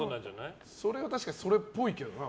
それは、確かにそれっぽいけどな。